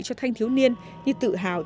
cho thanh thiếu niên như tự hào tiến mưu